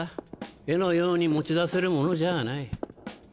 絵のように持ち出せるものじゃない。